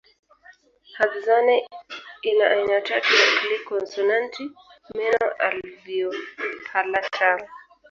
Hadzane ina aina tatu ya click konsonanti meno alveopalatal